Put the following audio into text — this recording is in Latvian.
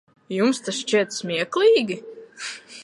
Jums tas šķiet smieklīgi?